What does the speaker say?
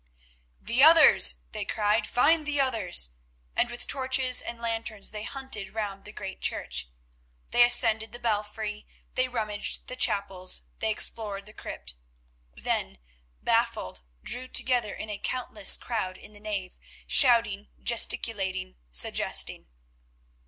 "The others," they cried, "find the others," and with torches and lanterns they hunted round the great church. They ascended the belfry, they rummaged the chapels, they explored the crypt; then, baffled, drew together in a countless crowd in the nave, shouting, gesticulating, suggesting.